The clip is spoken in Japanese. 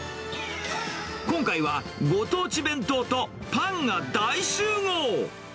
今回はご当地弁当とパンが大集合。